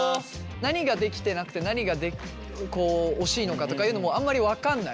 何ができてなくて何がこう惜しいのかとかいうのもあんまり分かんない？